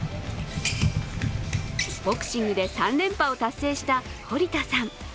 ボクシングで３連覇を達成した堀田さん。